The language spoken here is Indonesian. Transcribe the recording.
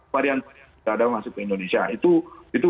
varian varian tidak masuk ke indonesia itu